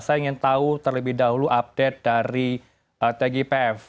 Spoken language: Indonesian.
saya ingin tahu terlebih dahulu update dari tgpf